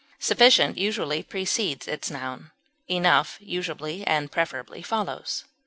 Sufficient usually precedes its noun; enough usually and preferably follows.